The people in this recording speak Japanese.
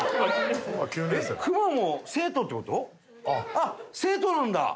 あっ生徒なんだ。